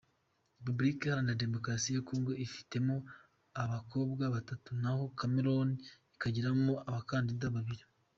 Repubulika Iharanira Demokarasi ya Congo ifitemo abakobwa batatu naho Cameroun ikagiramo abakandida babiri.